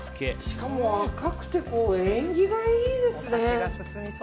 しかも赤くて縁起がいいですね。